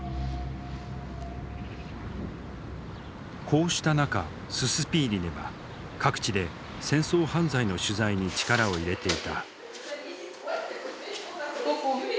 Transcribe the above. こうした中ススピーリネは各地で戦争犯罪の取材に力を入れていた。